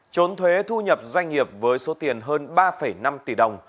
trốn thuế thu nhập doanh nghiệp với số tiền hơn ba năm tỷ đồng